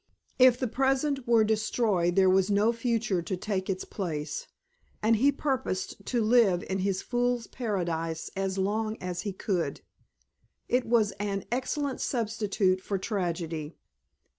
If the present were destroyed there was no future to take its place, and he purposed to live in his Fool's Paradise as long as he could. It was an excellent substitute for tragedy.